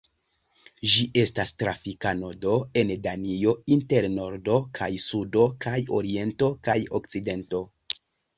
Ĝi estas trafika nodo en Danio inter nordo kaj sudo kaj oriento kaj okcidento.